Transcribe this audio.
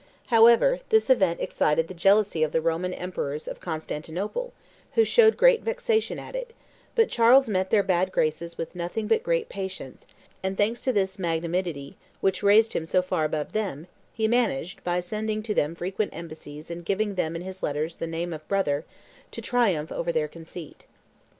However, this event excited the jealousy of the Roman emperors (of Constantinople), who showed great vexation at it; but Charles met their bad graces with nothing but great patience, and thanks to this magnanimity, which raised him so far above them, he managed, by sending to them frequent embassies and giving them in his letters the name of brother, to triumph over their conceit."